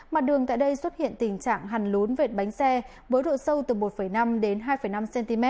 mặt đường tại đây xuất hiện tình trạng hàn lún vệt bánh xe với độ sâu từ một năm đến hai năm cm